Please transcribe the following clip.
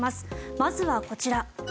まずはこちら。